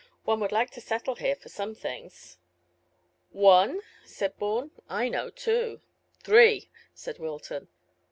One would like to settle here, for some things." "One?" said Bourne. "I know two." "Three," said Wilton.